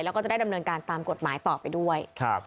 แล้วก็จะได้ดำเนินการตามกฎหมายต่อไปด้วย